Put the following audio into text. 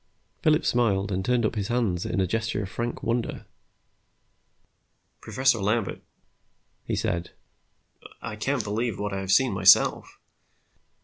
Phillips smiled and turned up his hands in a gesture of frank wonder. "Professor Lambert," he said, "I can't believe what I have seen myself.